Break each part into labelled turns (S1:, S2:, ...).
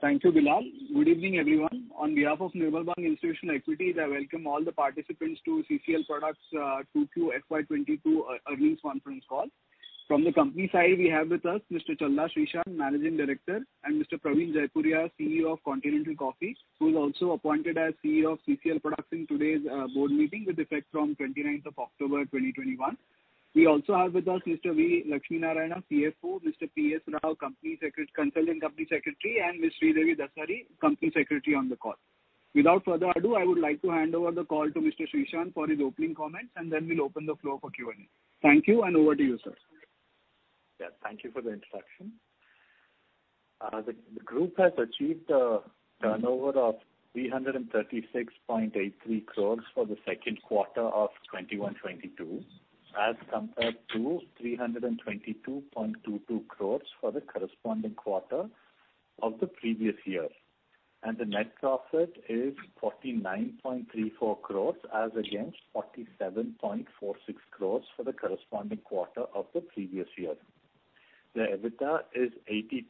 S1: Thank you, Bilal. Good evening, everyone. On behalf of Nirmal Bang Institutional Equities, I welcome all the participants to CCL Products Q2 FY 2022 earnings conference call. From the company side, we have with us Mr. Challa Srishant, Managing Director, and Mr. Praveen Jaipuriar, CEO of Continental Coffee, who is also appointed as CEO of CCL Products in today's Board meeting with effect from 29th of October 2021. We also have with us Mr. V Lakshmi Narayana, CFO, Mr. P.S. Rao, Consultant Company Secretary, and Ms. Sridevi Dasari, Company Secretary on the call. Without further ado, I would like to hand over the call to Mr. Srishant for his opening comments, and then we'll open the floor for Q&A. Thank you, and over to you, sir.
S2: Yeah, thank you for the introduction. The group has achieved a turnover of 336.83 crores for the second quarter of 2021-2022, as compared to 322.22 crores for the corresponding quarter of the previous year. The net profit is 49.34 crores as against 47.46 crores for the corresponding quarter of the previous year. The EBITDA is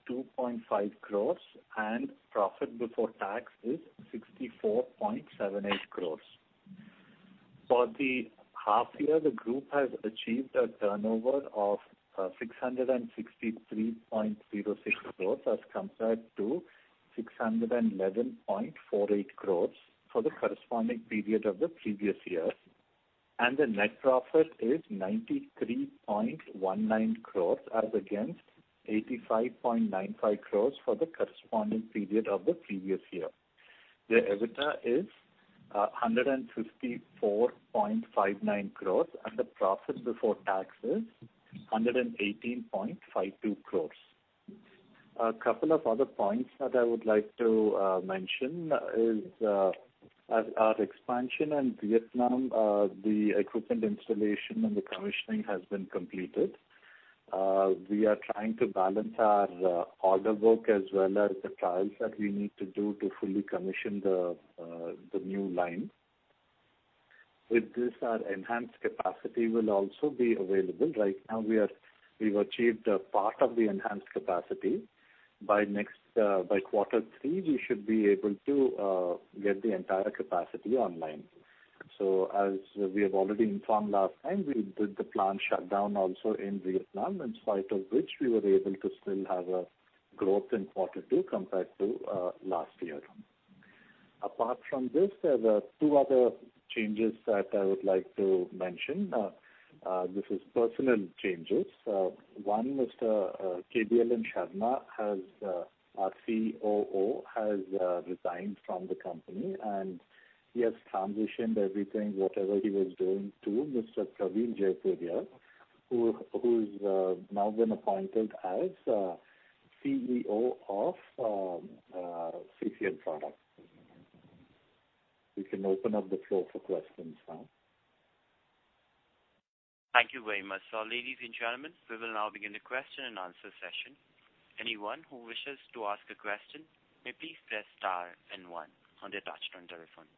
S2: 82.5 crores, and profit before tax is 64.78 crores. For the half year, the group has achieved a turnover of 663.06 crores as compared to 611.48 crores for the corresponding period of the previous year. The net profit is 93.19 crores as against 85.95 crores for the corresponding period of the previous year. The EBITDA is 154.59 crores, and the profit before tax is 118.52 crores. A couple of other points that I would like to mention is as our expansion in Vietnam the equipment installation and the commissioning has been completed. We are trying to balance our order book as well as the trials that we need to do to fully commission the new line. With this, our enhanced capacity will also be available. Right now we've achieved a part of the enhanced capacity. By next quarter three, we should be able to get the entire capacity online. As we have already informed last time, we did the plant shutdown also in Vietnam, in spite of which we were able to still have a growth in quarter two compared to last year. Apart from this, there are two other changes that I would like to mention. This is personnel changes. One, Mr. K.V.L.N. Sarma, our COO, has resigned from the company, and he has transitioned everything, whatever he was doing, to Mr. Praveen Jaipuriar, who's now been appointed as CEO of CCL Products. We can open up the floor for questions now.
S3: Thank you very much. Ladies and gentlemen, we will now begin the question and answer session. Anyone who wishes to ask a question may please press star and one on their touchtone telephone.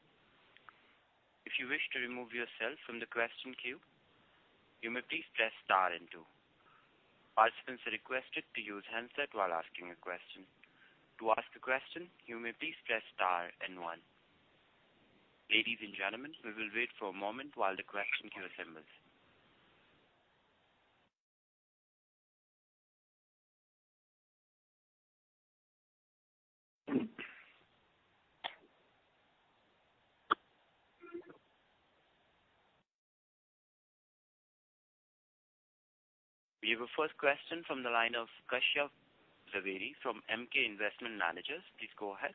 S3: If you wish to remove yourself from the question queue, you may please press star and two. Participants are requested to use handset while asking a question. To ask a question, you may please press star and one. Ladies and gentlemen, we will wait for a moment while the question queue assembles. We have a first question from the line of Kashyap Javeri from Emkay Investment Managers. Please go ahead.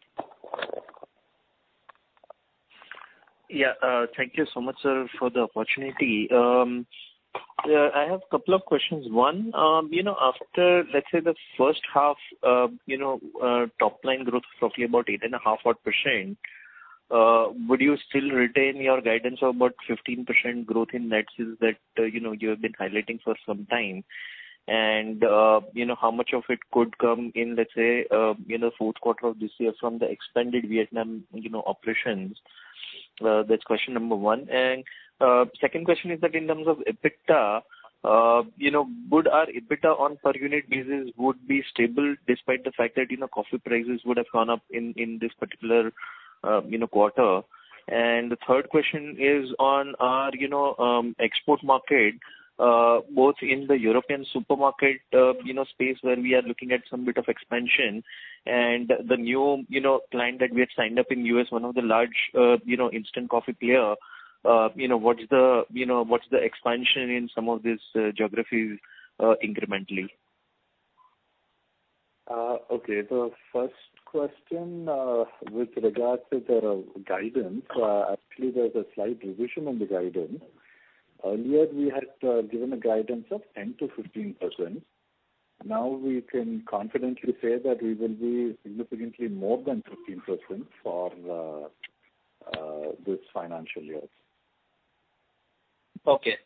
S4: Yeah. Thank you so much, sir, for the opportunity. Yeah, I have a couple of questions. One, you know, after, let's say, the first half, you know, top line growth is roughly about 8.5%, would you still retain your guidance of about 15% growth in net sales that you have been highlighting for some time? You know, how much of it could come in, let's say, in the fourth quarter of this year from the expanded Vietnam, you know, operations? That's question number one. Second question is that in terms of EBITDA, you know, would our EBITDA on per unit basis would be stable despite the fact that, you know, coffee prices would have gone up in this particular, you know, quarter? The third question is on our, you know, export market, both in the European supermarket, you know, space where we are looking at some bit of expansion and the new, you know, client that we have signed up in U.S., one of the large, you know, instant coffee player? You know, what's the expansion in some of these, geographies, incrementally?
S2: Okay. The first question, with regards to the guidance, actually there's a slight revision on the guidance. Earlier we had given a guidance of 10%-15%. Now we can confidently say that we will be significantly more than 15% for this financial year.
S4: Okay.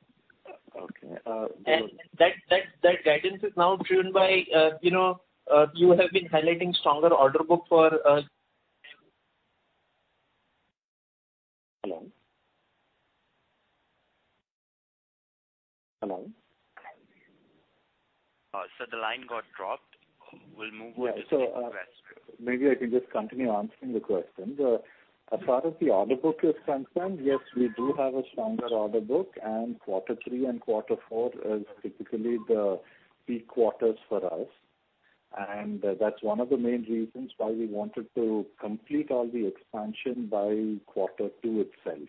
S4: That guidance is now driven by, you know, you have been highlighting stronger order book for?
S3: Sir, the line got dropped. We'll move on to the next group.
S2: Yeah. Maybe I can just continue answering the questions. As far as the order book is concerned, yes, we do have a stronger order book, and quarter three and quarter four is typically the peak quarters for us. That's one of the main reasons why we wanted to complete all the expansion by quarter two itself,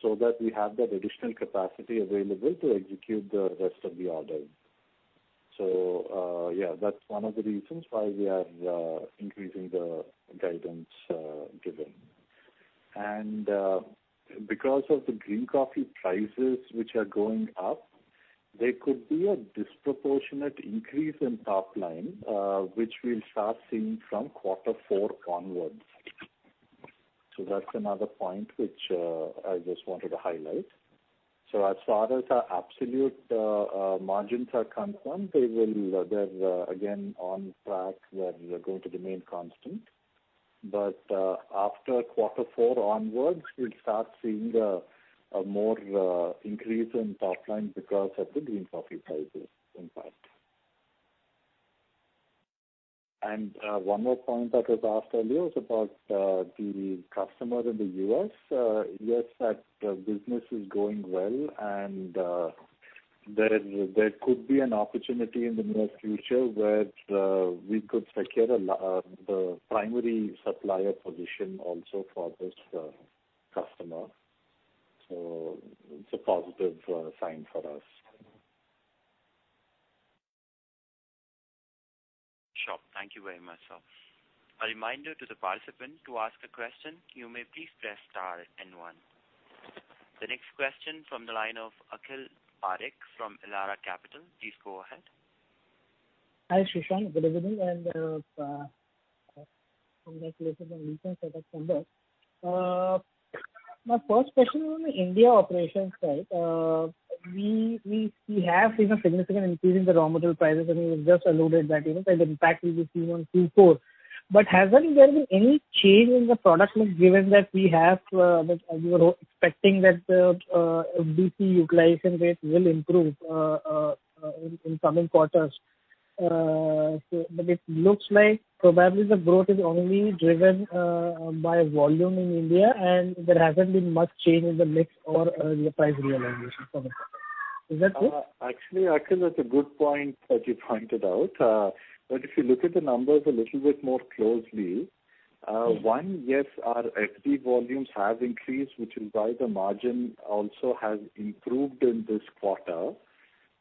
S2: so that we have that additional capacity available to execute the rest of the orders. Yeah, that's one of the reasons why we are increasing the guidance given. Because of the green coffee prices which are going up, there could be a disproportionate increase in top line, which we'll start seeing from quarter four onwards. That's another point which I just wanted to highlight. As far as our absolute margins are concerned, they're again on track where they're going to remain constant. After quarter four onwards, we'll start seeing a more increase in top line because of the green coffee prices impact. One more point that was asked earlier was about the customers in the U.S. Yes, that business is going well and there could be an opportunity in the near future where we could secure the primary supplier position also for this customer. It's a positive sign for us.
S3: Thank you very much, sir. A reminder to the participant, to ask a question, you may please press star then one. The next question from the line of Akhil Parekh from Elara Capital. Please go ahead.
S5: Hi, Srishant. Good evening. Congratulations on a decent set of numbers. First question on India operations side. We have seen a significant increase in the raw prices and you just alluded that the impact will be seen in Q4, but has not there been any change in the product mix give that we have expecting that the utilization rate will improve in coming quarters? But it looks like probably the growth is only driven by volume in India, and there has not been much change in the mix or early price realization?
S2: Actually this is a good point that you pointed out but if you look at the numbers a little bit more closely, one yes our FD volumes have increased which is why the margin also has improved in this quarter.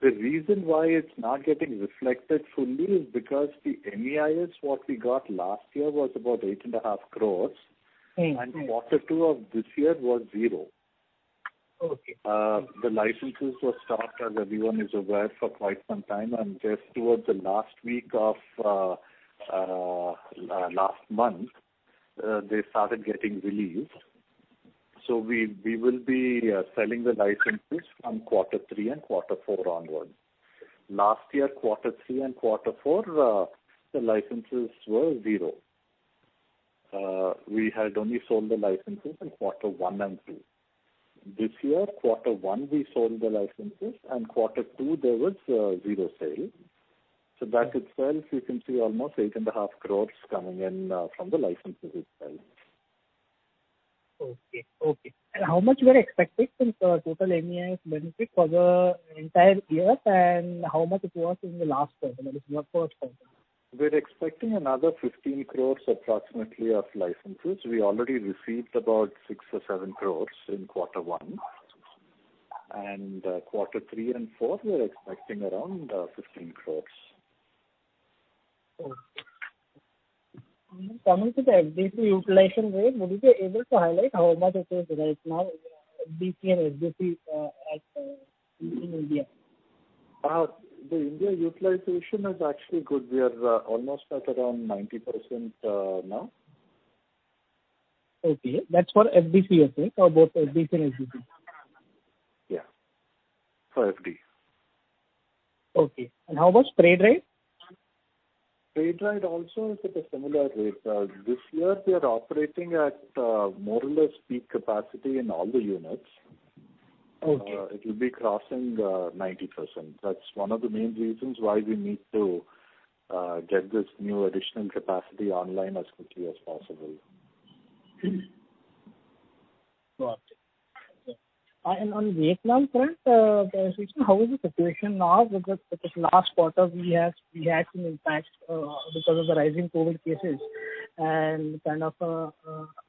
S2: The reason why it is not getting reflected fully is because the MEIS that we got last year was about 8.5 crores and quarter two of this year was zero. And the licenses were stopped as everyone is aware for quite sometime and just towards the last week of month. They started getting released so we will be selling the license on quarter three and quarter four onwards. Last year quarter three and quarter four the licenses were zero. We had only sold the licenses in quarter one and two. This year quarter one we sold the licenses and quarter two there was zero sale. So that itself you can seen almost 8.5 crores coming in from licenses itself.
S5: Okay. And how much were expected since the total MEIS benefit for the entire year? How much it was in the last few quarters?
S2: We are expecting another 15 crores approximately of licenses. We already received about 6 crores or 7 crores in quarter one. In quarter three and four we are expecting around INR 15 crores.
S5: Coming to utilization rate would not be able to highlight how it is in India?
S2: India utilization was actually good, we are almost as around of 90% now.
S5: Okay. That is what FBCS?
S2: FD.
S5: How was freight rate?
S2: Freight rate also it is similar rate this year. We are operating at more or peak capacity in all the units it will be crossing 90%. That's one of the main reasons why we need to get this new additional capacity online as quickly as possible.
S5: Got you. On Vietnam front, how is the situation now? Because last quarter we had some impact because of the rising COVID cases and kind of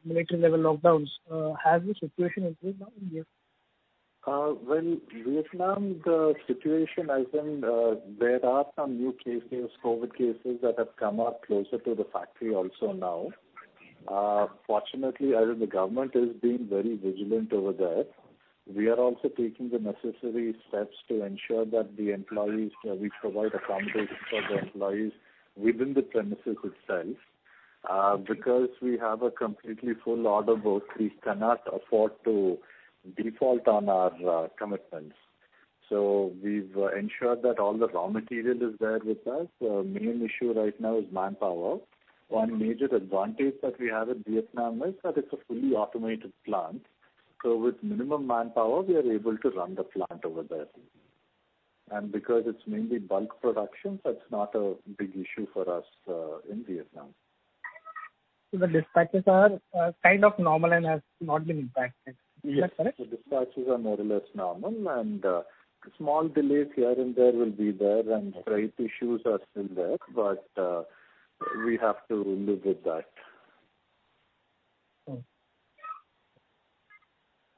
S5: military level lockdowns. Has the situation improved now in Vietnam?
S2: Well, Vietnam, the situation, there are some new cases, COVID cases that have come up closer to the factory also now. Fortunately, the government is being very vigilant over there. We are also taking the necessary steps to ensure that we provide accommodation for the employees within the premises itself. Because we have a completely full order book, we cannot afford to default on our commitments. We've ensured that all the raw material is there with us. The main issue right now is manpower. One major advantage that we have in Vietnam is that it's a fully automated plant. With minimum manpower, we are able to run the plant over there. Because it's mainly bulk production, it's not a big issue for us in Vietnam.
S5: The dispatches are kind of normal and has not been impacted. Is that correct?
S2: Yes. The dispatches are more or less normal, and small delays here and there will be there, and freight issues are still there. We have to live with that.
S5: Okay.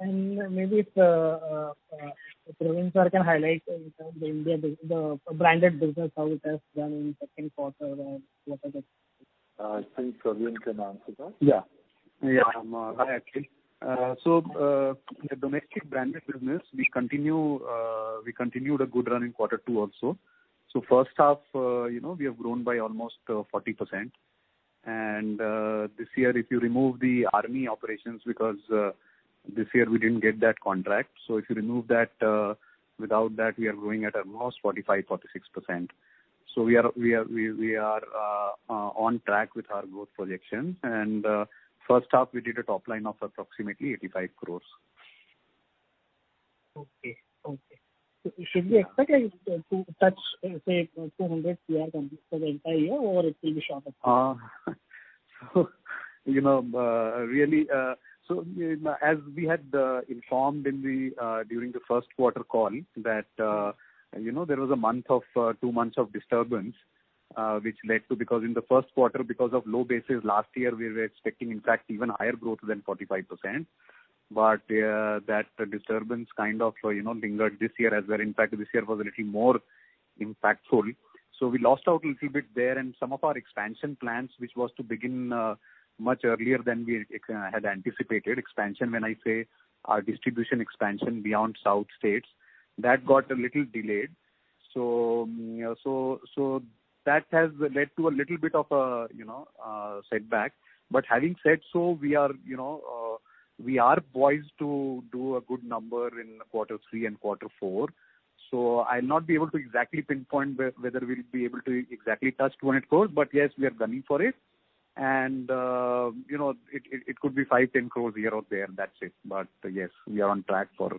S5: Maybe if Praveen can highlight in terms of the branded business. How it has done in second quarter?
S2: I think Praveen can answer that.
S6: Hi, Akhil. The domestic branded business, we continued a good run in quarter two also. First half, you know, we have grown by almost 40%. This year, if you remove the army operations, because this year we didn't get that contract. If you remove that, without that, we are growing at almost 45%-46%. We are on track with our growth projections. First half, we did a top line of approximately 85 crores.
S5: Should we expect to touch 200 crore for the entire year or it will be short of that?
S6: You know, really, as we had informed during the first quarter call that you know, there was two months of disturbance, which led to. In the first quarter, because of low basis last year, we were expecting, in fact, even higher growth than 45%. That disturbance kind of you know, lingered this year as well. In fact, this year was a little more impactful. We lost out a little bit there. Some of our expansion plans, which was to begin much earlier than we had had anticipated. Expansion, when I say our distribution expansion beyond south states, that got a little delayed. So that has led to a little bit of a you know, a setback. Having said so, we are, you know, we are poised to do a good number in quarter three and quarter four. I'll not be able to exactly pinpoint whether we'll be able to exactly touch 200 crores. Yes, we are gunning for it. You know, it could be 5- 10 crores here or there, that's it. Yes, we are on track for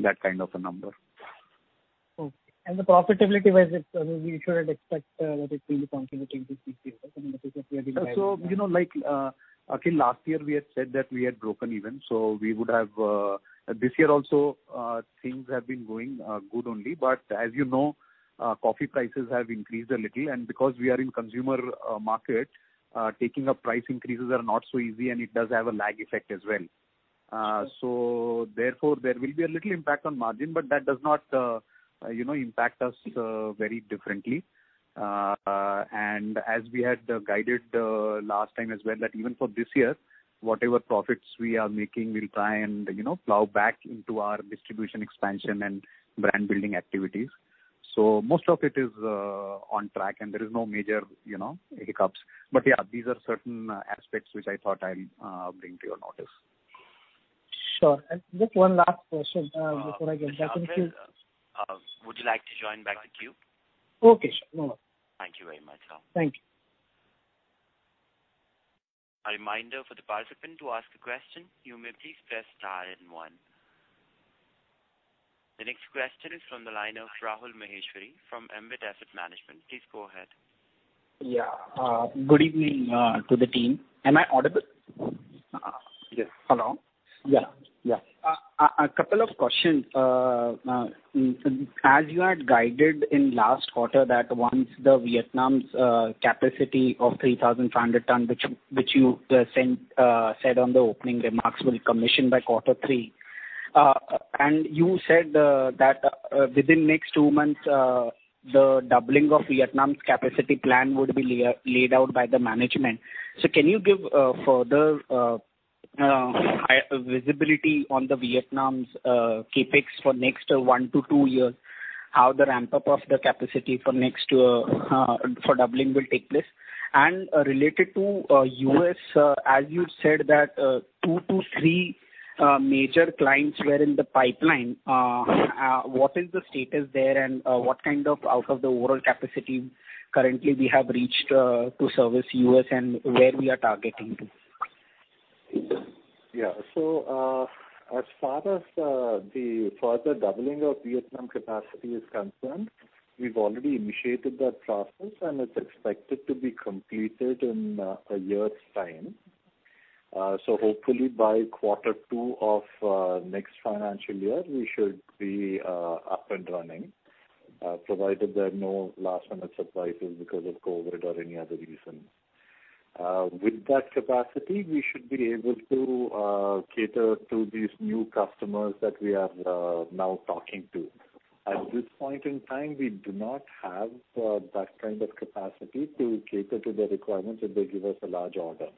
S6: that kind of a number.
S5: Okay. The profitability-wise, we should expect that it will be contributing this year.
S6: You know, like, Akhil, last year we had said that we had broken even. We would have. This year also, things have been going good only. As you know, coffee prices have increased a little. Because we are in consumer market, taking up price increases are not so easy, and it does have a lag effect as well. Therefore, there will be a little impact on margin, but that does not, you know, impact us very differently. As we had guided last time as well, that even for this year, whatever profits we are making, we'll try and, you know, plow back into our distribution expansion and brand building activities. Most of it is on track and there is no major, you know, hiccups. Yeah, these are certain aspects which I thought I'll bring to your notice.
S5: Sure. Just one last question, before I get back in queue.
S3: Akhil, would you like to join back the queue?
S5: Okay, sure. No problem.
S3: Thank you very much.
S5: Thank you.
S3: A reminder for the participant to ask a question, you may please press star then one. The next question is from the line of Rahul Maheshwary from Ambit Asset Management. Please go ahead.
S7: Yeah. Good evening, to the team. Am I audible?
S2: Yes. Hello.
S7: A couple of questions. As you had guided in last quarter that once Vietnam's capacity of 3,500 tons, which you said on the opening remarks, will commission by quarter three. And you said that within next two months, the doubling of Vietnam's capacity plan would be laid out by the management. Can you give further high visibility on Vietnam's CapEx for next 1 year-2 years? How the ramp-up of the capacity for doubling will take place? And related to U.S., as you said that 2-3 major clients were in the pipeline. What is the status there? And what kind of out of the overall capacity currently we have reached to service U.S. and where we are targeting?
S2: Yeah. As far as the further doubling of Vietnam capacity is concerned, we've already initiated that process, and it's expected to be completed in a year's time. Hopefully by quarter two of next financial year, we should be up and running, provided there are no last-minute surprises because of COVID or any other reason. With that capacity, we should be able to cater to these new customers that we are now talking to. At this point in time, we do not have that kind of capacity to cater to the requirements if they give us a large order.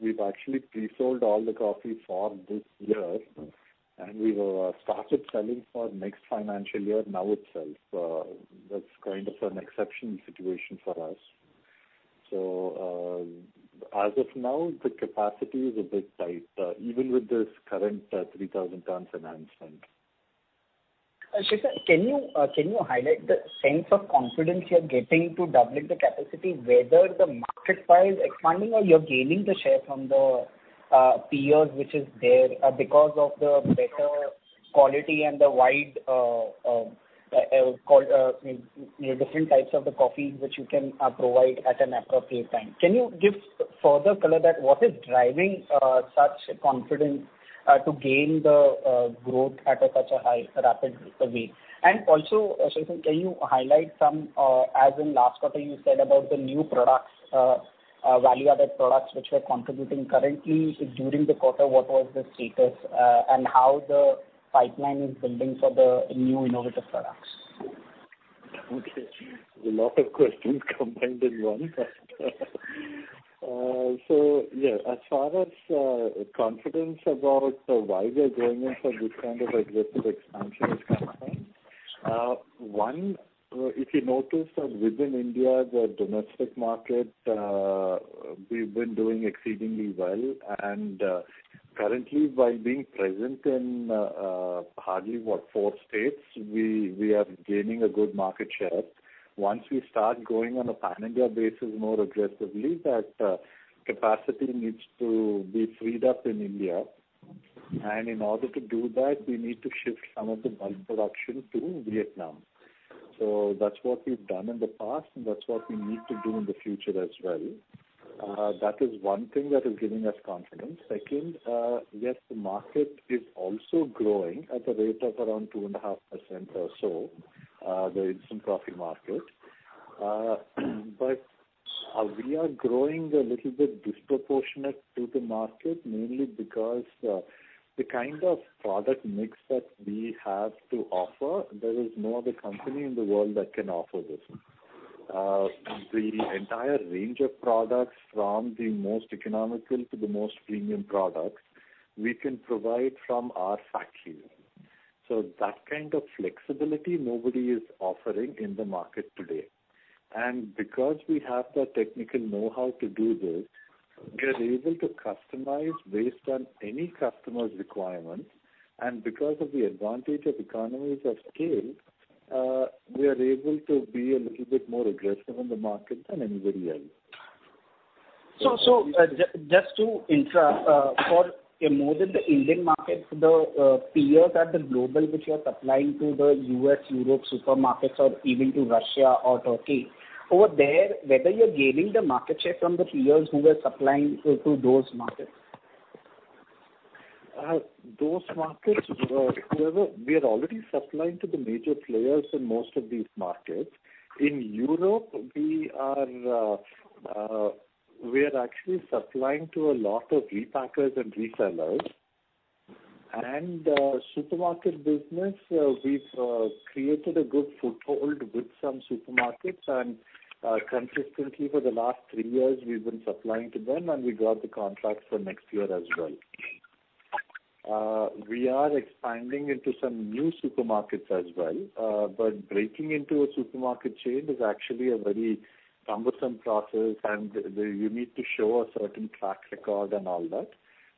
S2: We actually pre-sold all the coffee for this year, and we've started selling for next financial year now itself. That's kind of an exceptional situation for us. As of now, the capacity is a bit tight, even with this current 3,000 tons enhancement.
S7: Srishant, can you highlight the sense of confidence you're getting to doubling the capacity, whether the market size expanding or you're gaining the share from the peers which is there because of the better quality and the different types of the coffee which you can provide at an appropriate time? Can you give further color that what is driving such confidence to gain the growth at such a high rapid rate? Also, Srishant, can you highlight some, as in last quarter you said about the new products, value-added products which were contributing currently during the quarter, what was the status? And how the pipeline is building for the new innovative products?
S2: Okay. There's a lot of questions combined in one. As far as confidence about why we are going in for this kind of aggressive expansion is concerned. One, if you notice that within India, the domestic market, we've been doing exceedingly well. Currently by being present in hardly what, four states, we are gaining a good market share. Once we start going on a pan-India basis more aggressively, that capacity needs to be freed up in India. In order to do that, we need to shift some of the bulk production to Vietnam. That's what we've done in the past, and that's what we need to do in the future as well. That is one thing that is giving us confidence. Second, yes, the market is also growing at a rate of around 2.5% or so, the instant coffee market. We are growing a little bit disproportionate to the market, mainly because the kind of product mix that we have to offer, there is no other company in the world that can offer this. The entire range of products from the most economical to the most premium products we can provide from our factories. That kind of flexibility nobody is offering in the market today. Because we have the technical know-how to do this, we are able to customize based on any customer's requirements. Because of the advantage of economies of scale, we are able to be a little bit more aggressive in the market than anybody else.
S7: Just to intro for more than the Indian market, the global peers which you are supplying to the U.S., European supermarkets or even to Russia or Turkey, over there, whether you're gaining the market share from the peers who are supplying to those markets?
S2: Those markets. We are already supplying to the major players in most of these markets. In Europe, we are actually supplying to a lot of repackers and resellers. Supermarket business, we've created a good foothold with some supermarkets and consistently for the last three years we've been supplying to them, and we got the contract for next year as well. We are expanding into some new supermarkets as well. Breaking into a supermarket chain is actually a very cumbersome process and you need to show a certain track record and all that.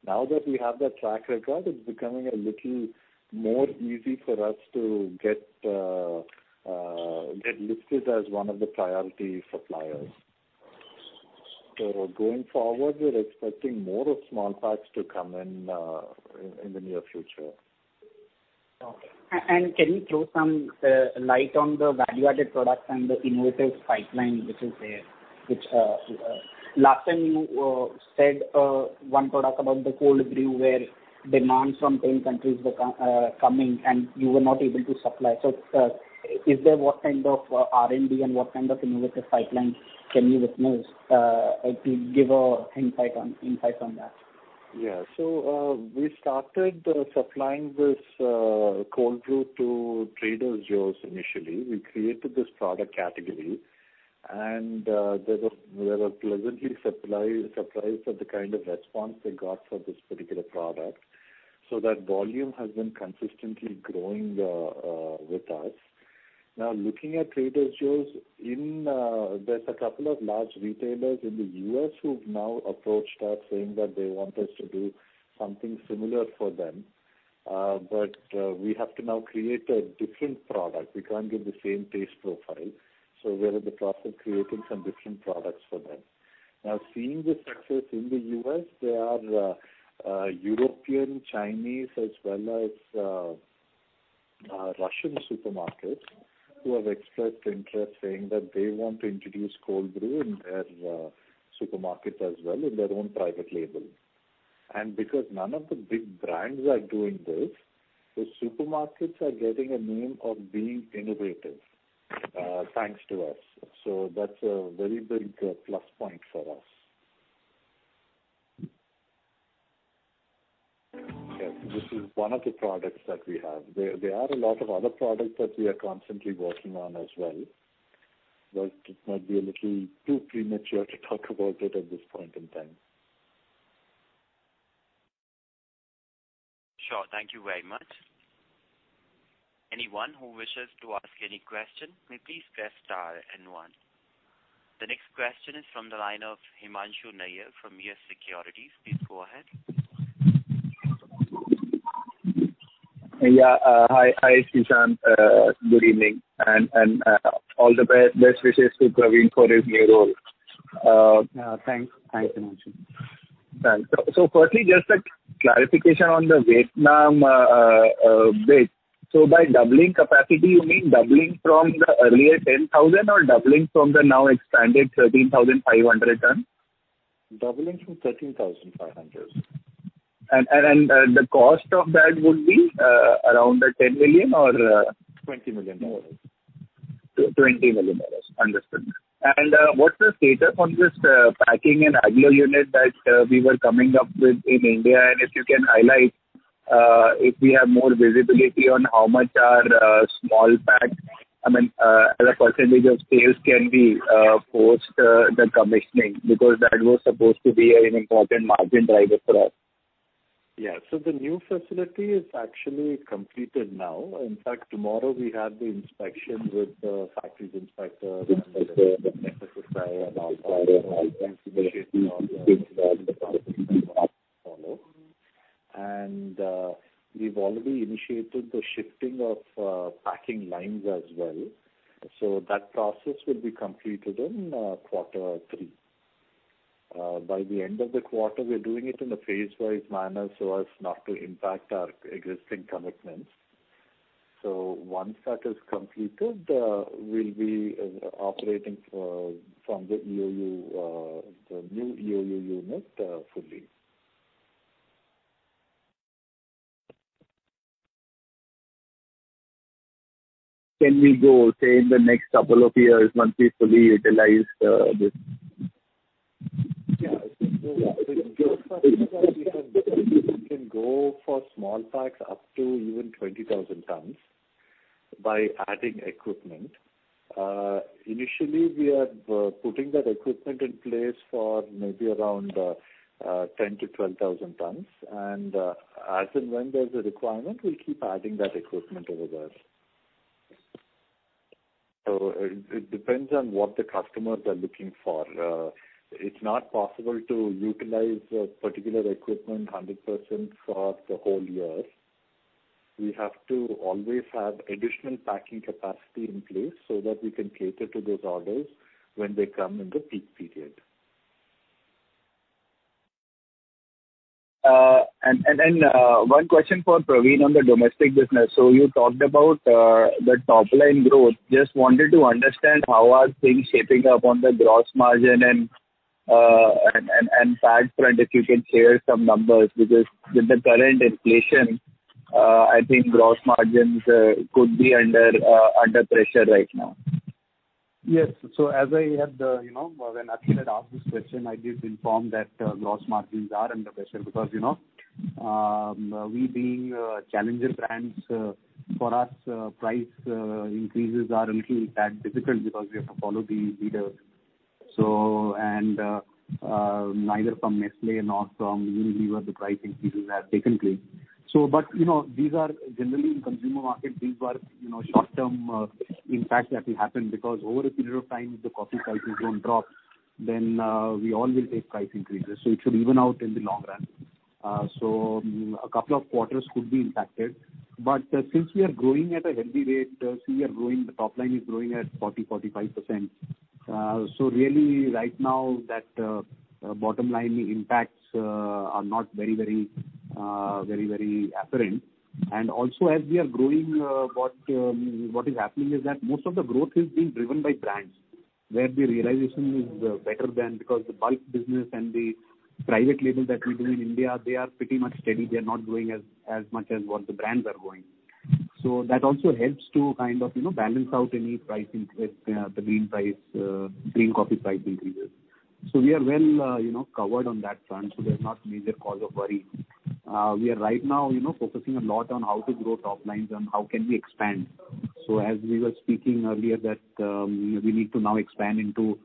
S2: Now that we have that track record, it's becoming a little more easy for us to get listed as one of the priority suppliers. Going forward, we're expecting more of small parts to come in the near future.
S7: Okay. Can you throw some light on the value-added products and the innovative pipeline which is there, which last time you said one product about the cold brew where demands from 10 countries were coming and you were not able to supply. Is there what kind of R&D and what kind of innovative pipeline can you witness, if you give an insight on that?
S2: Yeah. We started supplying this cold brew to Trader Joe's initially. We created this product category, and we were pleasantly surprised at the kind of response we got for this particular product. That volume has been consistently growing with us. Now looking at Trader Joe's. There's a couple of large retailers in the U.S. who've now approached us saying that they want us to do something similar for them. We have to now create a different product. We can't give the same taste profile. We're in the process of creating some different products for them. Now, seeing the success in the U.S., there are European, Chinese, as well as Russian supermarkets who have expressed interest saying that they want to introduce cold brew in their supermarkets as well in their own private label. Because none of the big brands are doing this, the supermarkets are getting a name of being innovative, thanks to us. That's a very big plus point for us. Yes, this is one of the products that we have. There are a lot of other products that we are constantly working on as well, but it might be a little too premature to talk about it at this point in time.
S3: Sure. Thank you very much. Anyone who wishes to ask any question, may please press star and one. The next question is from the line of Himanshu Nayyar from YES SECURITIES. Please go ahead.
S8: Yeah. Hi, Srishant. Good evening and all the best wishes to Praveen for his new role.
S2: Thanks. Thanks, Himanshu.
S8: Thanks. Firstly, just a clarification on the Vietnam base. By doubling capacity, you mean doubling from the earlier 10,000 or doubling from the now expanded 13,500 tons?
S2: Doubling from 13,500.
S8: The cost of that would be around 10 million or?
S2: $20 million.
S8: $20 million. Understood. What's the status on this packing and agglomeration unit that we were coming up with in India? If you can highlight if we have more visibility on how much our small pack? I mean, as a percentage of sales can be post the commissioning, because that was supposed to be an important margin driver for us?
S2: Yeah. The new facility is actually completed now. In fact, tomorrow we have the inspection with the factory inspector. We've already initiated the shifting of packing lines as well. That process will be completed in quarter three. By the end of the quarter, we're doing it in a phase-wise manner so as not to impact our existing commitments. Once that is completed, we'll be operating from the new EOU unit, fully.
S8: Can we go, say, in the next couple of years once we fully utilize this?
S2: Yeah. We can go for small packs up to even 20,000 tons by adding equipment. Initially we are putting that equipment in place for maybe around 10,000 tons-12,000 tons. As and when there's a requirement, we keep adding that equipment over there. It depends on what the customers are looking for. It's not possible to utilize a particular equipment 100% for the whole year. We have to always have additional packing capacity in place so that we can cater to those orders when they come in the peak period.
S8: One question for Praveen on the domestic business. You talked about the top-line growth. Just wanted to understand how are things shaping up on the gross margin and pack front, if you can share some numbers, because with the current inflation, I think gross margins could be under pressure right now?
S6: Yes. As I had, you know, when Akhil had asked this question, I did inform that, gross margins are under pressure because, you know, we being, challenger brands, for us, price, increases are a little bit difficult because we have to follow the leaders. Neither from Nestlé nor from Unilever the price increases have taken place. You know, these are generally in consumer market, these are, you know, short-term, impacts that will happen because over a period of time, if the coffee prices don't drop, then, we all will take price increases. It should even out in the long run. A couple of quarters could be impacted. Since we are growing at a healthy rate, we are growing, the top line is growing at 40%-45%. Really right now, the bottom-line impacts are not very apparent. Also, as we are growing, what is happening is that most of the growth is being driven by brands where the realization is better than the bulk business and the private label that we do in India, they are pretty much steady. They are not growing as much as what the brands are growing. That also helps to kind of, you know, balance out any price increase, the bean price, green coffee price increases. We are well, you know, covered on that front. There's no major cause of worry. We are right now, you know, focusing a lot on how to grow top lines and how can we expand. As we were speaking earlier that we need to now expand into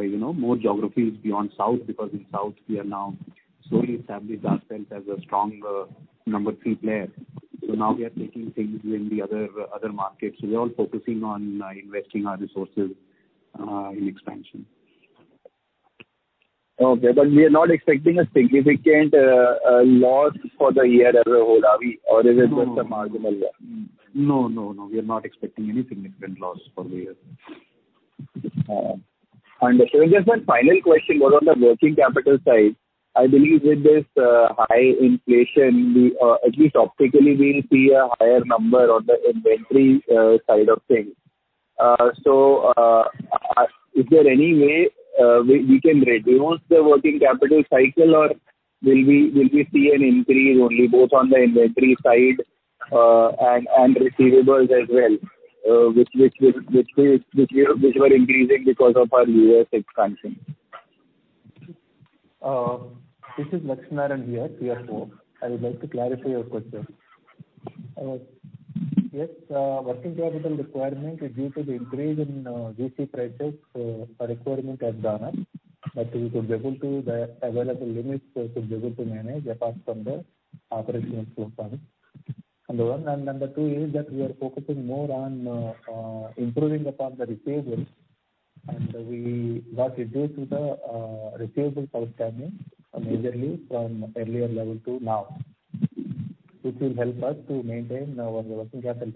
S6: you know more geographies beyond south because in south we are now slowly established ourselves as a strong number three player. Now we are taking things in the other markets. We are all focusing on investing our resources in expansion.
S8: Okay. We are not expecting a significant loss for the year as a whole, are we? Or is it just a marginal loss?
S6: No, no, we are not expecting any significant loss for the year.
S8: Understood. Just one final question. On the working capital side, I believe with this high inflation, we at least optically will see a higher number on the inventory side of things. Is there any way we can reduce the working capital cycle? Or will we see an increase only both on the inventory side and receivables as well, which we're increasing because of our U.S. expansion?
S9: This is V Lakshmi Narayana here, CFO. I would like to clarify your question. Yes, working capital requirement is due to the increase in GC prices. Our requirement has gone up, but we should be able to avail the available limits. We should be able to manage apart from the operational cash flow, number one. Number two is that we are focusing more on improving upon the receivables, and we have reduced the receivables outstanding majorly from earlier level to now, which will help us to maintain our working capital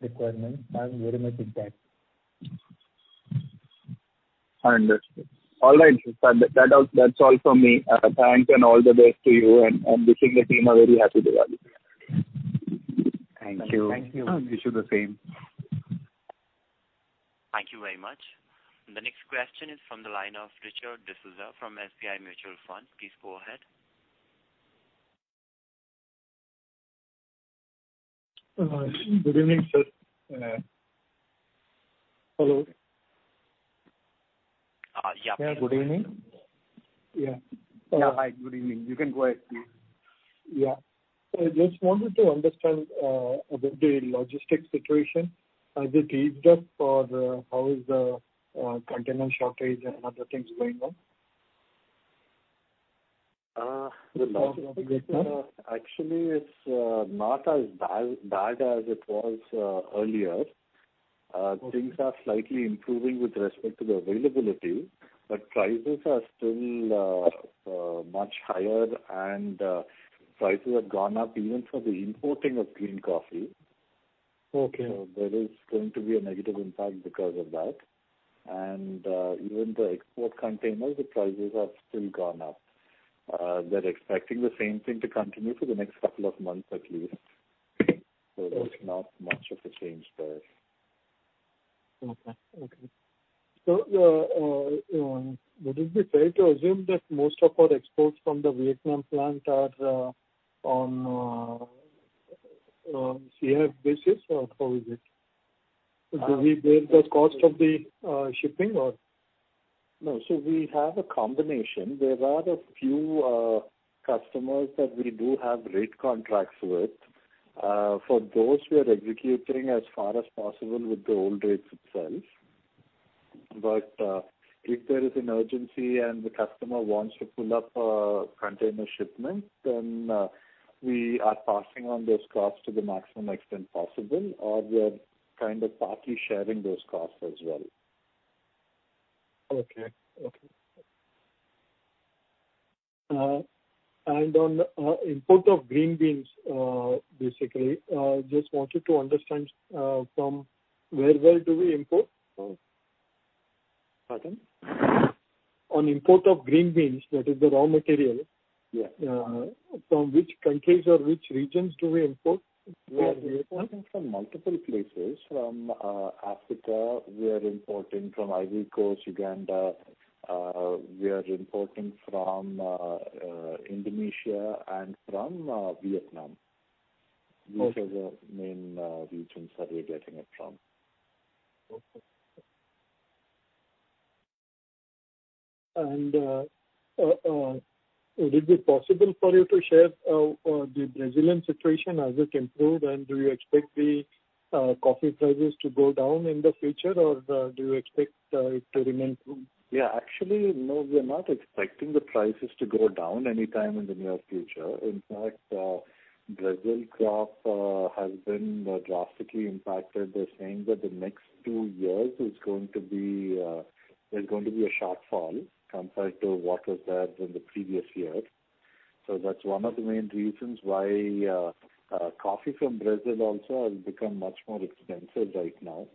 S9: requirements and very much intact.
S8: I understand. All right. That's all from me. Thanks and all the best to you, and wishing the team a very happy Diwali.
S9: Thank you.
S2: Thank you. Wish you the same.
S3: Thank you very much. The next question is from the line of Richard D'Souza from SBI Mutual Fund. Please go ahead.
S10: Good evening, sir. Hello.
S3: Yeah.
S10: Yeah. Good evening. Yeah.
S2: Yeah. Hi, good evening. You can go ahead, please.
S10: Yeah. I just wanted to understand about the logistics situation. Has it eased up, or how is the container shortage and other things going on?
S2: The logistics, actually it's not as bad as it was earlier. Things are slightly improving with respect to the availability, but prices are still much higher, and prices have gone up even for the importing of green coffee.
S10: Okay.
S2: There is going to be a negative impact because of that. Even the export containers, the prices have still gone up. They're expecting the same thing to continue for the next couple of months at least. There's not much of a change there.
S10: Would it be fair to assume that most of our exports from the Vietnam plant are on CIF basis or how is it? Do we bear the cost of the shipping or?
S2: No, we have a combination. There are a few customers that we do have rate contracts with. For those we are executing as far as possible with the old rates itself. If there is an urgency and the customer wants to pull up a container shipment, then we are passing on those costs to the maximum extent possible, or we're kind of partly sharing those costs as well.
S10: Okay. On import of green beans, basically, just wanted to understand from where we import from?
S2: Pardon?
S10: On import of green beans, that is the raw material.
S2: Yeah.
S10: From which countries or which regions do we import? From Vietnam?
S2: We are importing from multiple places. From Africa, we are importing from Ivory Coast, Uganda. We are importing from Indonesia and from Vietnam.
S10: Okay.
S2: These are the main regions that we're getting it from.
S10: Would it be possible for you to share the Brazilian situation, has it improved? And do you expect the coffee prices to go down in the future, or do you expect it to remain true?
S2: Actually, no, we are not expecting the prices to go down anytime in the near future. In fact, Brazil crop has been drastically impacted. They're saying that the next two years there's going to be a shortfall compared to what was there in the previous year. That's one of the main reasons why coffee from Brazil also has become much more expensive right now.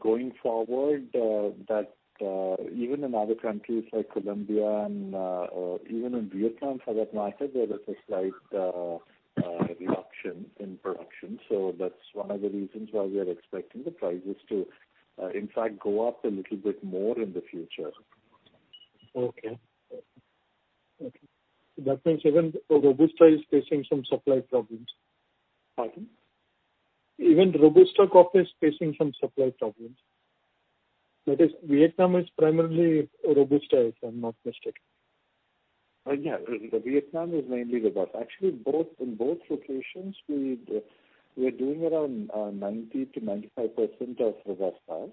S2: Going forward, even in other countries like Colombia and even in Vietnam for that matter, there is a slight reduction in production. That's one of the reasons why we are expecting the prices to, in fact, go up a little bit more in the future.
S10: Okay. That means even Robusta is facing some supply problems?
S2: Pardon?
S10: Even Robusta coffee is facing some supply problems. That is, Vietnam is primarily Robusta, if I'm not mistaken?
S2: Vietnam is mainly Robusta. Actually both, in both locations we're doing around 90%-95% of Robusta.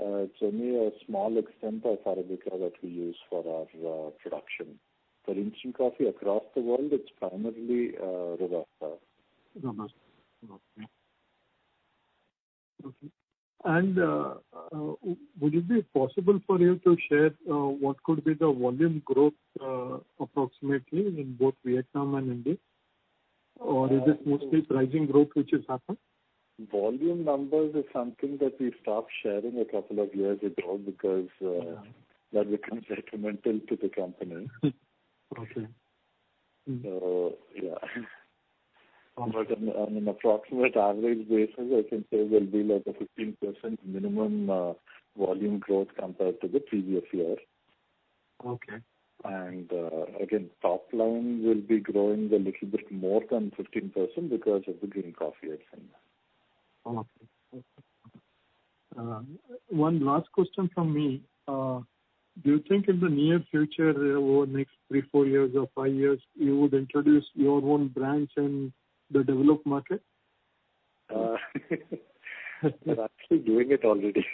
S2: It's only a small extent of Arabica that we use for our production. For instant coffee across the world, it's primarily Robusta.
S10: Robusta. Okay. Would it be possible for you to share what could be the volume growth, approximately in both Vietnam and India? Or is this mostly pricing growth which has happened?
S2: Volume numbers is something that we stopped sharing a couple of years ago because that becomes detrimental to the company.
S10: Okay.
S2: Yeah. On an approximate average basis, I can say will be like a 15% minimum volume growth compared to the previous year.
S10: Okay.
S2: Again, top line will be growing a little bit more than 15% because of the green coffee pricing.
S10: Okay. One last question from me. Do you think in the near future, over the next three, four years or five years, you would introduce your own brands in the developed market?
S2: We're actually doing it already.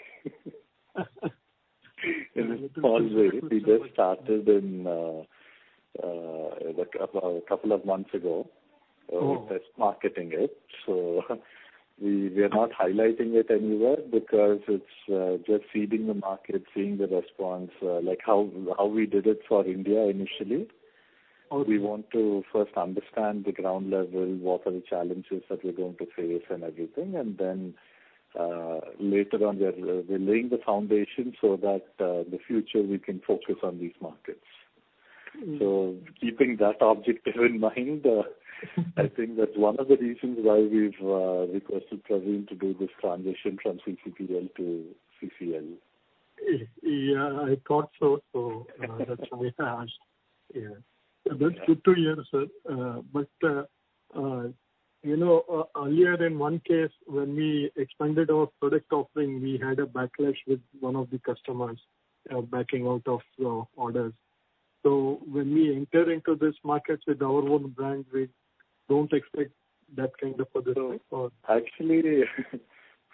S2: In a small way. We just started in about a couple of months ago.
S10: Oh.
S2: Just marketing it. We are not highlighting it anywhere because it's just seeding the market, seeing the response, like how we did it for India initially. We want to first understand the ground level, what are the challenges that we're going to face and everything. Then, later on we're laying the foundation so that the future we can focus on these markets. Keeping that objective in mind, I think that's one of the reasons why we've requested Praveen to do this transition from CCPL to CCL.
S10: Yeah, I thought so that's why I asked. Yeah.
S2: Yeah.
S10: That's good to hear, sir. You know, earlier in one case, when we expanded our product offering, we had a backlash with one of the customers backing out of orders. When we enter into this market with our own brand, we don't expect that kind of a delay or?
S2: Actually,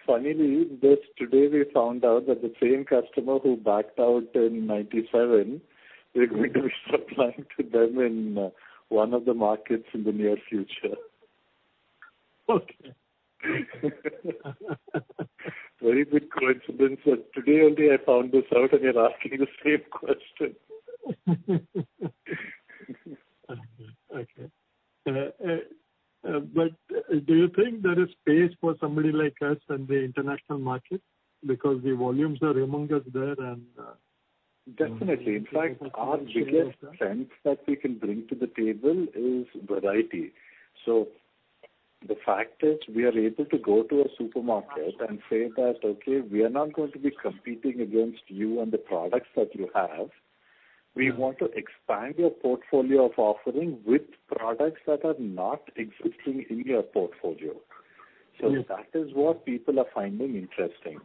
S2: funnily, just today we found out that the same customer who backed out in 1997, we're going to be supplying to them in one of the markets in the near future.
S10: Okay.
S2: Very big coincidence that today only I found this out, and you're asking the same question.
S10: Okay. Do you think there is space for somebody like us in the international market? Because the volumes are humongous there.
S2: Definitely. In fact, our biggest strength that we can bring to the table is variety. The fact is we are able to go to a supermarket and say that, "Okay, we are not going to be competing against you and the products that you have. We want to expand your portfolio of offering with products that are not existing in your portfolio." That is what people are finding interesting.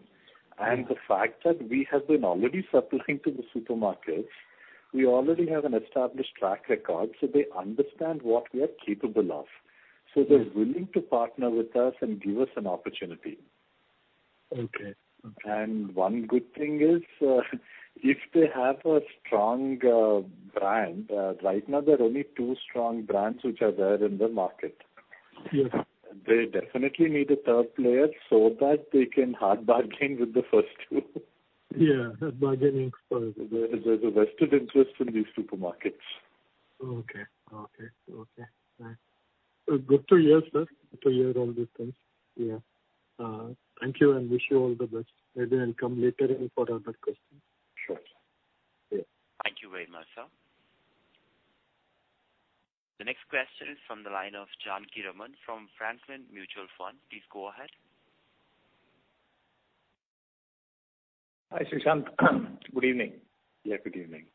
S2: The fact that we have been already supplying to the supermarkets, we already have an established track record, so they understand what we are capable of. They're willing to partner with us and give us an opportunity.
S10: Okay. Okay.
S2: One good thing is, if they have a strong brand. Right now there are only two strong brands which are there in the market.
S10: Yes.
S2: They definitely need a third player so that they can hard bargain with the first two.
S10: Yeah, hard bargaining is possible.
S2: There's a vested interest in these supermarkets.
S10: Okay. Right. Good to hear, sir. Good to hear all these things. Yeah. Thank you and wish you all the best. Maybe I'll come later in for other questions.
S2: Sure. Yeah.
S3: Thank you very much, sir. The next question is from the line of Janakiraman from Franklin Templeton Mutual Fund. Please go ahead.
S11: Hi, Srishant. Good evening.
S2: Yeah, good evening.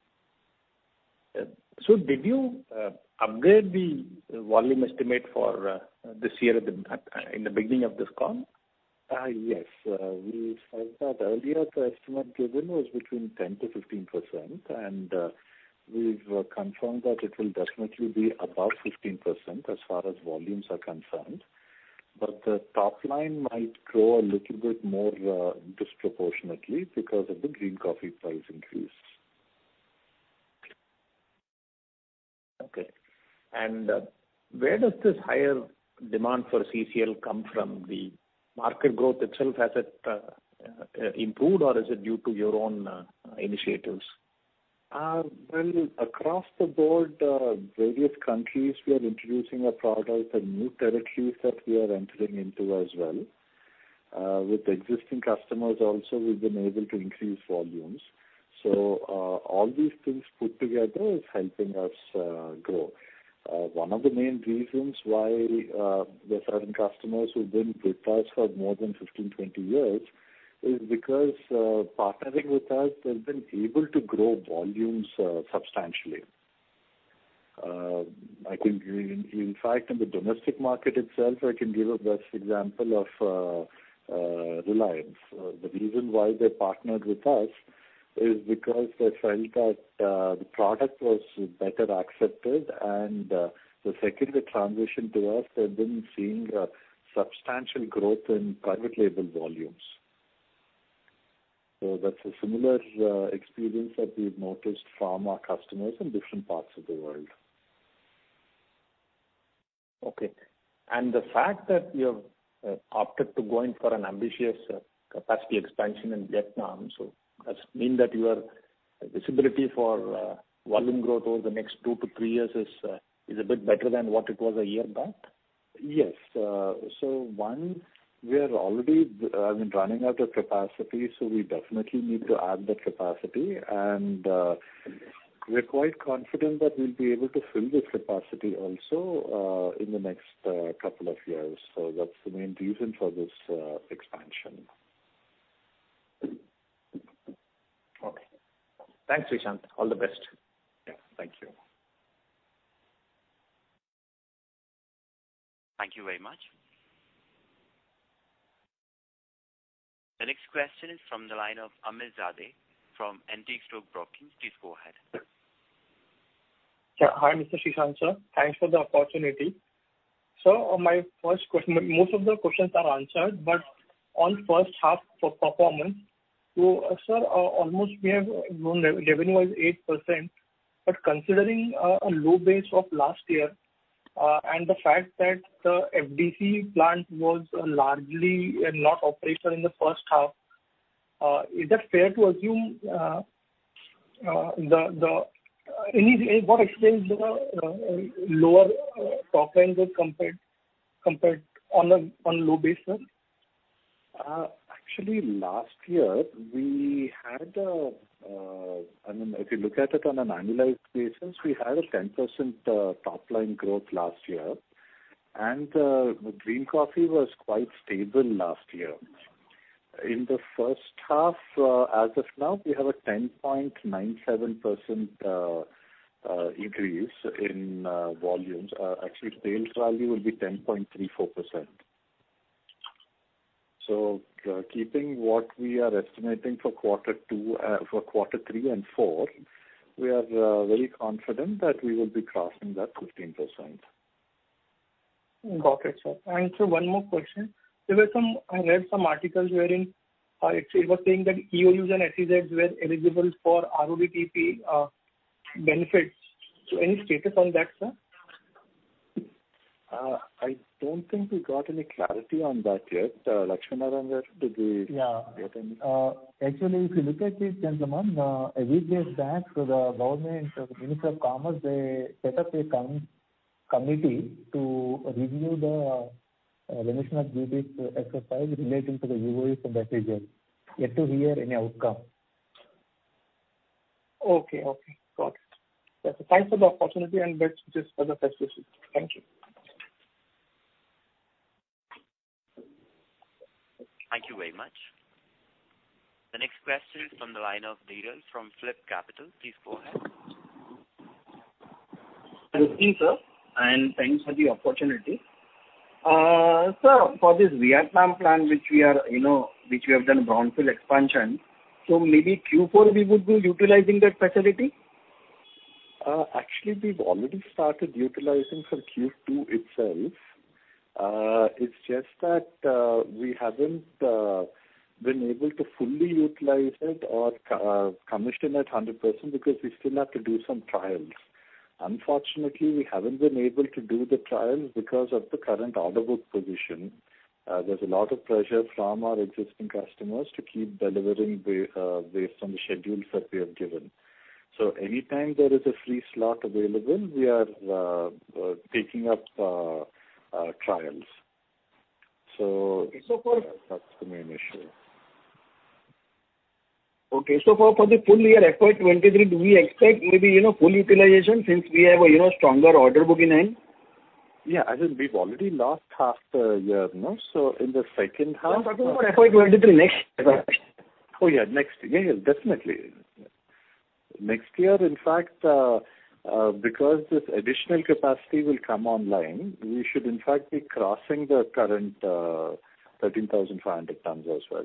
S11: Did you upgrade the volume estimate for this year in the beginning of this call?
S2: Yes. We said that earlier the estimate given was between 10%-15%, and we've confirmed that it will definitely be above 15% as far as volumes are concerned. The top line might grow a little bit more, disproportionately because of the green coffee price increase.
S11: Okay. Where does this higher demand for CCL come from? The market growth itself, has it improved or is it due to your own initiatives?
S2: Well, across the board, various countries we are introducing our products and new territories that we are entering into as well. With existing customers also we've been able to increase volumes. All these things put together is helping us grow. One of the main reasons why there are certain customers who've been with us for more than 15 years, 20 years is because partnering with us they've been able to grow volumes substantially. I think in fact in the domestic market itself, I can give a best example of Reliance. The reason why they partnered with us is because they felt that the product was better accepted, and the second they transitioned to us they've been seeing a substantial growth in private label volumes. That's a similar experience that we've noticed from our customers in different parts of the world.
S11: Okay. The fact that you have opted to go in for an ambitious capacity expansion in Vietnam, so does it mean that your visibility for volume growth over the next 2 years-3 years is a bit better than what it was a year back?
S2: Yes. One, we have already been running out of capacity, so we definitely need to add that capacity. We're quite confident that we'll be able to fill this capacity also in the next couple of years. That's the main reason for this expansion.
S11: Okay. Thanks, Srishant. All the best.
S2: Yeah. Thank you.
S3: Thank you very much. The next question is from the line of Amit Zade from Antique Stock Broking. Please go ahead.
S12: Yeah. Hi, Mr. Srishant, sir. Thanks for the opportunity. My first question. Most of the questions are answered, but on first half performance, sir, revenue has grown almost 8%. Considering a low base of last year and the fact that the FDC plant was largely not operational in the first half, is it fair to assume what explains the lower top line growth compared on a low base, sir?
S2: Actually, last year we had, I mean, if you look at it on an annualized basis, we had a 10% top line growth last year. The green coffee was quite stable last year. In the first half, as of now, we have a 10.97% increase in volumes. Actually sales value will be 10.34%. Keeping what we are estimating for quarter two, for quarter three and four, we are very confident that we will be crossing that 15%.
S12: Got it, sir. Sir, one more question. I read some articles wherein it was saying that EOUs and SEZs were eligible for RoDTEP benefits. Any status on that, sir?
S2: I don't think we got any clarity on that yet. Lakshmi Narayana, did we-?
S9: Yeah.
S2: Get any?
S9: Actually, if you look at it, gentleman, a week back the government, the Ministry of Commerce, they set up a committee to review the remission of RoDTEP exercise relating to the EOUs and SEZs. Yet to hear any outcome.
S12: Okay. Got it. Thanks for the opportunity and best wishes for the first issue. Thank you.
S3: Thank you very much. The next question is from the line of Dhiral Shah from PhillipCapital. Please go ahead.
S13: Good evening, sir, and thanks for the opportunity. Sir, for this Vietnam plant, which we have done brownfield expansion, so maybe Q4 we would be utilizing that facility?
S2: Actually, we've already started utilizing from Q2 itself. It's just that, we haven't been able to fully utilize it or commission it 100% because we still have to do some trials. Unfortunately, we haven't been able to do the trials because of the current order book position. There's a lot of pressure from our existing customers to keep delivering based on the schedules that we have given. Anytime there is a free slot available, we are taking up trials. That's the main issue.
S13: For the full year FY 2023, do we expect maybe, you know, full utilization since we have a, you know, stronger order book in hand?
S2: Yeah. I think we've already lost half the year, no? In the second half.
S13: No, I'm talking about FY 2023, next year.
S2: Oh, yeah, next year. Definitely. Next year, in fact, because this additional capacity will come online, we should in fact be crossing the current 13,500 tons as well.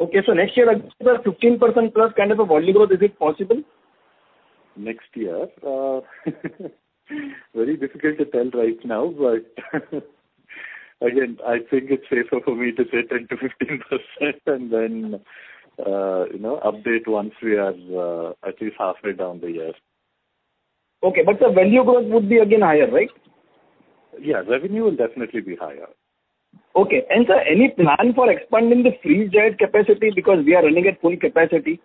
S13: Okay. Next year a 15%+ kind of a volume growth, is it possible?
S2: Next year? Very difficult to tell right now, but again, I think it's safer for me to say 10%-15% and then, you know, update once we are at least halfway down the year.
S13: Okay. The value growth would be again higher, right?
S2: Yeah. revenue will definitely be higher.
S13: Okay. Sir, any plan for expanding the freeze-dried capacity because we are running at full capacity?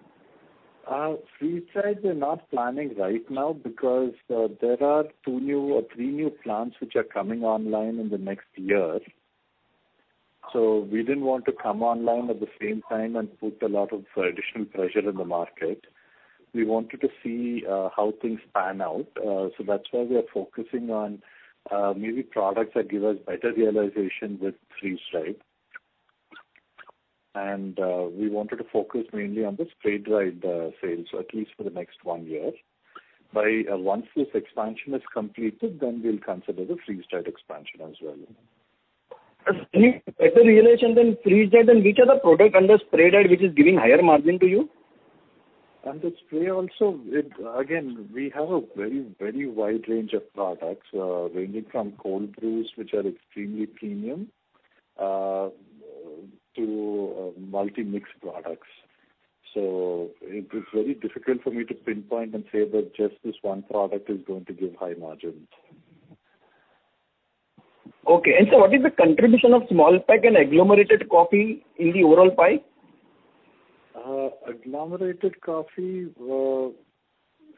S2: Freeze-dried we're not planning right now because there are two new or three new plants which are coming online in the next year. We didn't want to come online at the same time and put a lot of additional pressure in the market. We wanted to see how things pan out. That's why we are focusing on maybe products that give us better realization with freeze-dried. We wanted to focus mainly on the spray dried sales, at least for the next one year. Once this expansion is completed, we'll consider the freeze-dried expansion as well.
S13: Better realization than freeze-dried, and which are the product under spray-dried which is giving higher margin to you?
S2: Again, we have a very, very wide range of products, ranging from cold brews, which are extremely premium, to premix products. It is very difficult for me to pinpoint and say that just this one product is going to give high margins.
S13: Okay. Sir, what is the contribution of small pack and agglomerated coffee in the overall pie?
S2: Agglomerated coffee, we're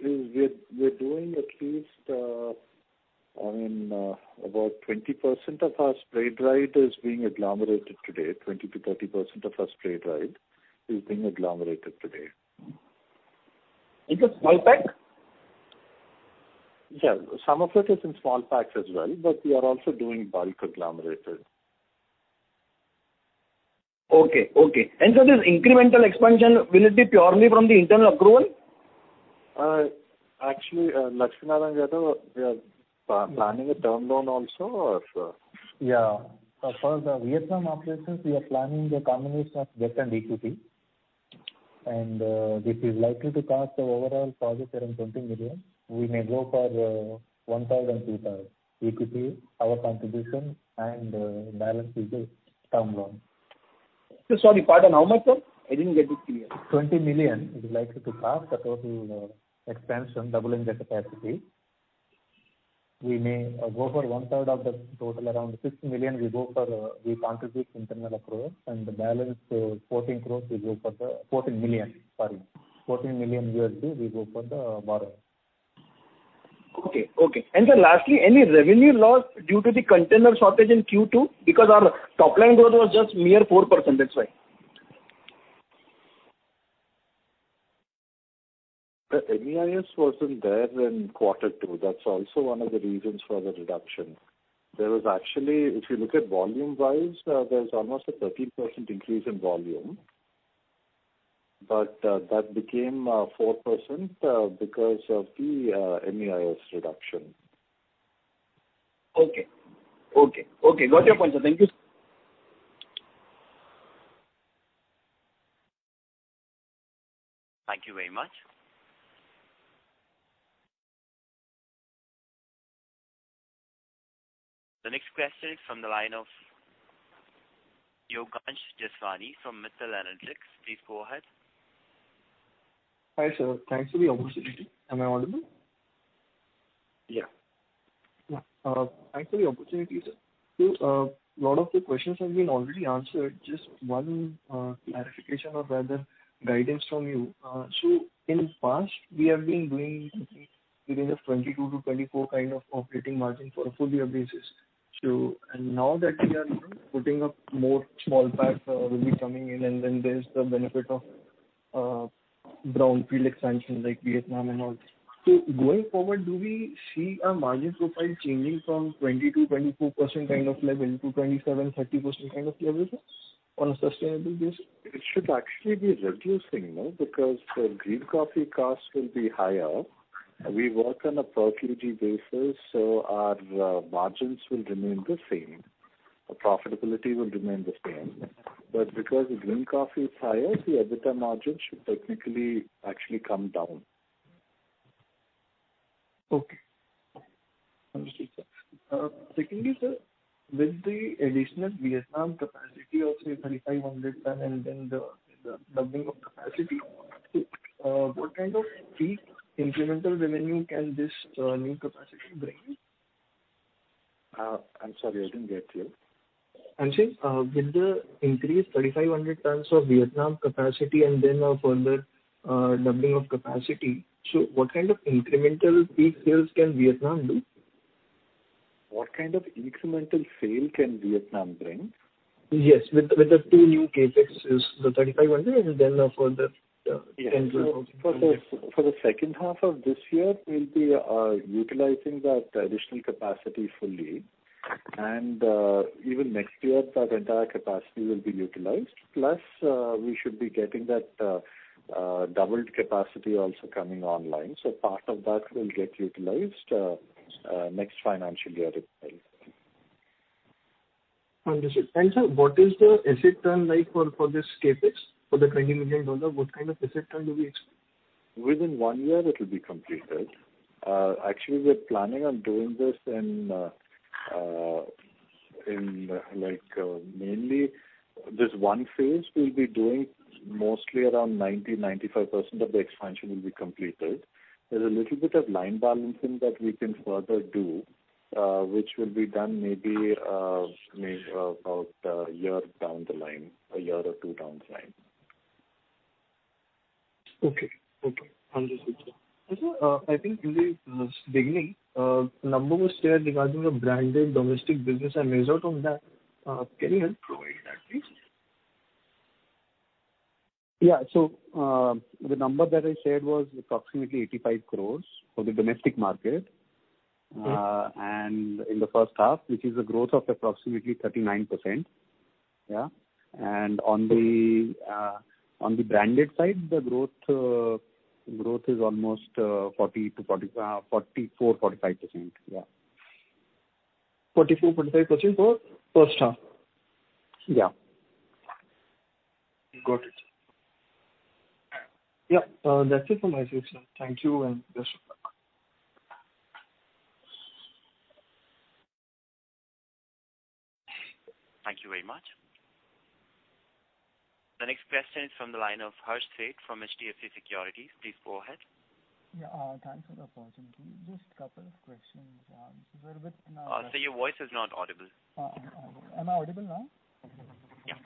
S2: doing at least, I mean, about 20% of our spray-dried is being agglomerated today. 20%-30% of our spray-dried is being agglomerated today.
S13: In the small pack?
S2: Yeah. Some of it is in small packs as well, but we are also doing bulk agglomerated.
S13: Okay. This incremental expansion, will it be purely from the internal accrual?
S2: Actually, Lakshmi Narayana, we are planning a term loan also or?
S9: Yeah. For the Vietnam operations, we are planning a combination of debt and equity. This is likely to cost the overall project around $20 million. We may go for 1/3 and 2/3 equity, our contribution and balance will be term loan.
S13: Sorry, pardon. How much, sir? I didn't get it clear.
S9: $20 million it is likely to cost. That will be the expansion, doubling the capacity. We may go for 1/3 of the total, around $6 million we go for, we contribute internal accrual and the balance, $14 million, sorry. $14 million we go for the borrow.
S13: Okay. Okay. Sir, lastly, any revenue loss due to the container shortage in Q2? Because our top line growth was just mere 4%, that's why?
S2: The MEIS wasn't there in quarter two. That's also one of the reasons for the reduction. There was actually. If you look at volume-wise, there's almost a 13% increase in volume. That became 4% because of the MEIS reduction.
S13: Okay. Got your point, sir. Thank you.
S3: Thank you very much. The next question is from the line of Yogansh Jeswani from Mittal Analytics. Please go ahead.
S14: Hi, sir. Thanks for the opportunity. Am I audible?
S2: Yeah.
S14: Yeah. Thanks for the opportunity, sir. A lot of the questions have been already answered. Just one clarification or rather guidance from you. In the past, we have been doing between 22%-24% kind of operating margin for a full year basis. Now that we are, you know, putting up more small packs will be coming in, and then there's the benefit of brownfield expansion like Vietnam and all. Going forward, do we see our margin profile changing from 20%-24% kind of level to 27%-30% kind of levels on a sustainable basis?
S2: It should actually be reducing more because the green coffee cost will be higher. We work on a per kg basis, so our margins will remain the same. Our profitability will remain the same. Because the green coffee is higher, the EBITDA margin should technically actually come down.
S14: Okay. Understood, sir. Secondly, sir, with the additional Vietnam capacity of say 3,500 tons and then the doubling of capacity, what kind of incremental revenue can this new capacity bring?
S2: I'm sorry, I didn't get you.
S14: I'm saying, with the increased 3,500 tons of Vietnam capacity and then a further doubling of capacity, so what kind of incremental fee sales can Vietnam do?
S2: What kind of incremental sale can Vietnam bring?
S14: Yes, with the two new CapEx is the 3,500 and then a further INR 10,000.
S2: Yeah. For the second half of this year we'll be utilizing that additional capacity fully. Even next year that entire capacity will be utilized. We should be getting that doubled capacity also coming online. Part of that will get utilized next financial year as well.
S14: Understood. Sir, what is the asset turn like for this CapEx? For the $20 million, what kind of asset turn do we expect?
S2: Within one year it'll be completed. Actually we're planning on doing this in like mainly this one phase we'll be doing mostly around 90%-95% of the expansion will be completed. There's a little bit of line balancing that we can further do, which will be done maybe about a year down the line, a year or two down the line.
S14: Okay. Understood, sir. Sir, I think in the beginning, number was shared regarding the branded domestic business and result on that. Can you help provide that please?
S6: Yeah, the number that I shared was approximately 85 crores for the domestic market. In the first half, which is a growth of approximately 39%. On the branded side, the growth is almost 40%-44%, 45%.
S14: 44%-45% for first half?
S6: Yeah.
S14: Got it. Yeah. That's it from my side, sir. Thank you, and best of luck.
S3: Thank you very much. The next question is from the line of Harsh Sheth from HDFC Securities. Please go ahead.
S15: Yeah. Thanks for the opportunity. Just couple of questions, sir.
S3: Sir, your voice is not audible.
S15: Am I audible now?
S3: Yeah.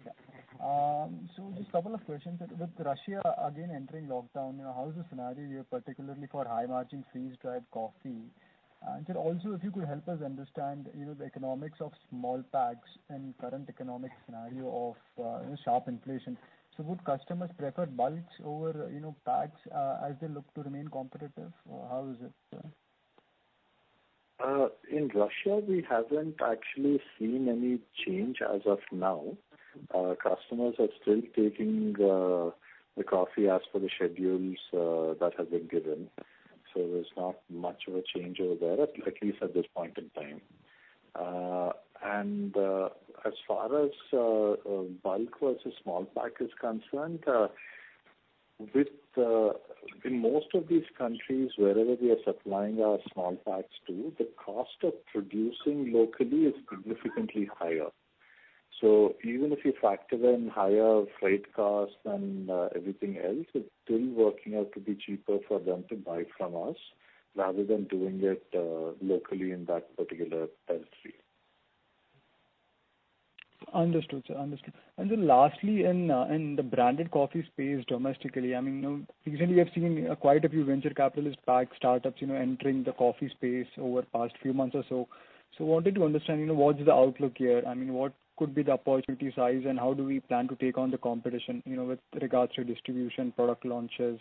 S15: Yeah. Just couple of questions, sir. With Russia again entering lockdown, you know, how is the scenario here particularly for high margin freeze-dried coffee? Sir, also if you could help us understand, you know, the economics of small packs in current economic scenario of, you know, sharp inflation. Would customers prefer bulks over, you know, packs, as they look to remain competitive, or how is it, sir?
S2: In Russia, we haven't actually seen any change as of now. Our customers are still taking the coffee as per the schedules that have been given. There's not much of a change over there, at least at this point in time. As far as bulk versus small pack is concerned, in most of these countries, wherever we are supplying our small packs to, the cost of producing locally is significantly higher. Even if you factor in higher freight costs and everything else, it's still working out to be cheaper for them to buy from us rather than doing it locally in that particular territory.
S15: Understood, sir. Lastly, in the branded coffee space domestically, I mean, you know, recently we have seen quite a few venture capitalist-backed startups, you know, entering the coffee space over the past few months or so. Wanted to understand, you know, what is the outlook here? I mean, what could be the opportunity size, and how do we plan to take on the competition, you know, with regards to distribution, product launches,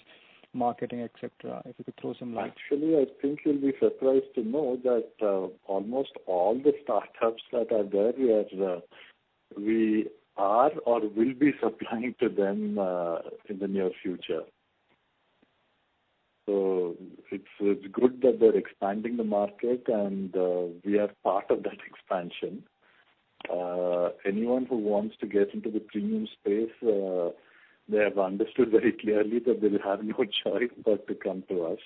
S15: marketing, et cetera? If you could throw some light.
S2: Actually, I think you'll be surprised to know that, almost all the startups that are there, we are or will be supplying to them, in the near future. It's good that they're expanding the market and, we are part of that expansion. Anyone who wants to get into the premium space, they have understood very clearly that they have no choice but to come to us.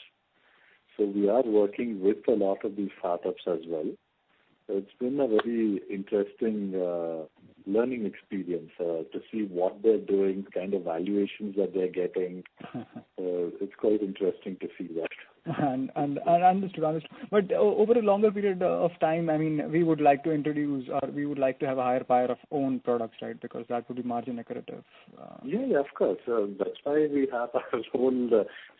S2: We are working with a lot of these startups as well. It's been a very interesting, learning experience, to see what they're doing, the kind of valuations that they're getting. It's quite interesting to see that.
S15: Understood. Over a longer period of time, I mean, we would like to introduce or we would like to have a higher buy-in of own products, right? Because that would be margin accretive.
S2: Yeah, of course. That's why we have our own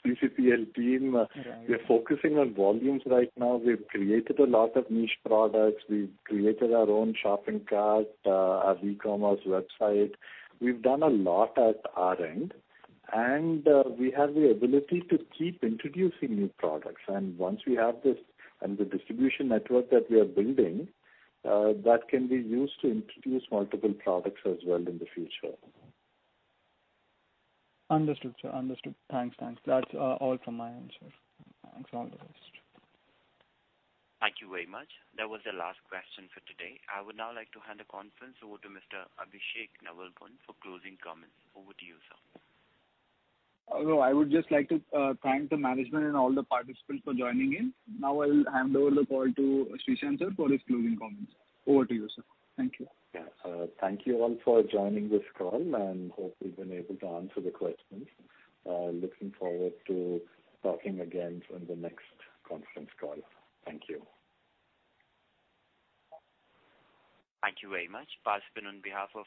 S2: CCPL team.
S15: Right.
S2: We're focusing on volumes right now. We've created a lot of niche products. We've created our own shopping cart, our e-commerce website. We've done a lot at our end, and we have the ability to keep introducing new products. Once we have this and the distribution network that we are building, that can be used to introduce multiple products as well in the future.
S15: Understood, sir. Thanks. That's all from my end, sir. Thanks for all the rest.
S3: Thank you very much. That was the last question for today. I would now like to hand the conference over to Mr. Abhishek Navalgund for closing comments. Over to you, sir.
S1: Hello. I would just like to thank the management and all the participants for joining in. Now I'll hand over the call to Srishant, sir, for his closing comments. Over to you, sir. Thank you.
S2: Yeah. Thank you all for joining this call, and hope we've been able to answer the questions. Looking forward to talking again in the next conference call. Thank you.
S3: Thank you very much. Participants, on behalf of.